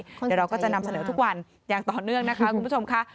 เดี๋ยวเราก็จะนำเสนอทุกวันอย่างต่อเนื่องนะคะคุณผู้ชมค่ะ